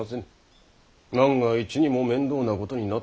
万が一にも面倒なことになってはいけませぬ。